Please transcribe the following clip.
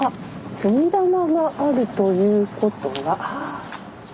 杉玉があるということは。